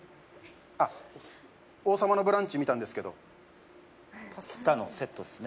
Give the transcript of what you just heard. あっ「王様のブランチ」見たんですけどパスタのセットですね